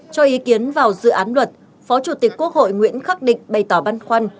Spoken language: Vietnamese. cho ý kiến vào dự án luật phó chủ tịch quốc hội nguyễn khắc định bày tỏ băn khoăn